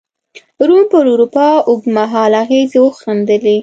روم پر اروپا اوږد مهاله اغېزې وښندلې.